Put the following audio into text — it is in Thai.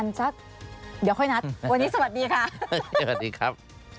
สวัสดีครับ